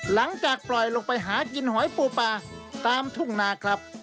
หลังจากปล่อยลงไปหากินหอยปูปลาตามทุ่งนาครับ